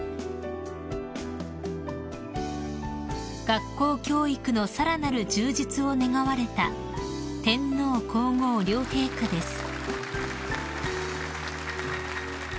［学校教育のさらなる充実を願われた天皇皇后両陛下です］